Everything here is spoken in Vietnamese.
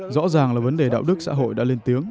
rõ ràng là vấn đề đạo đức xã hội đã lên tiếng